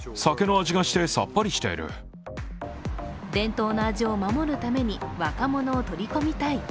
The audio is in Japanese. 伝統の味を守るために若者を取り込みたい。